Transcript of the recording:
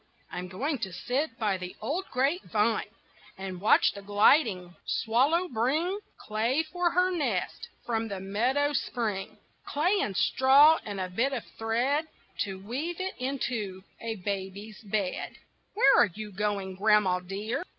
I'm going to sit by the old grapevine, And watch the gliding swallow bring Clay for her nest from the meadow spring Clay and straw and a bit of thread To weave it into a baby's bed. Where are you going, grandma dear?